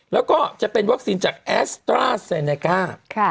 แล้วก็จะเป็นวัคซีนจากแอสตราเซเนก้า